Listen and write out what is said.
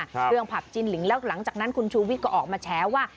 เรื่องผับจินลิงแล้วหลังจากนั้นคุณชูวิทย์ก็ออกมาแฉว่า